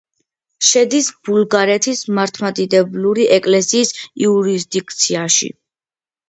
შედის ბულგარეთის მართლმადიდებლური ეკლესიის იურისდიქციაში.